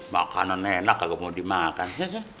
makanan enak kalau mau dimakan